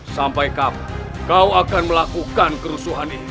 sampai kapan kau akan melakukan kerusuhan ini